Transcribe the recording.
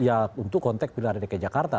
ya untuk kontek pilkara dki jakarta